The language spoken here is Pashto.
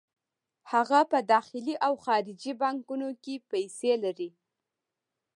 هغه په داخلي او خارجي بانکونو کې پیسې لري